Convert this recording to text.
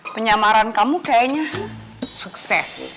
penyamaran kamu kayaknya sukses